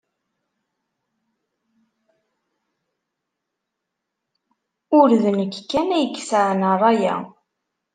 Ur d nekk kan ay yesɛan ṛṛay-a.